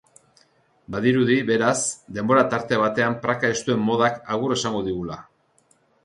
Badirudi, beraz, denbora tarte batean praka estuen modak agur esango digula.